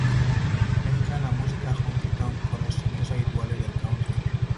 Mezcla la música "honky tonk" con los sonidos habituales del "country".